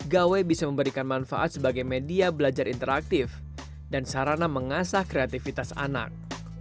gawai bisa memberikan manfaat sebagai media belajar interaktif dan sarana mengasah kreativitas anak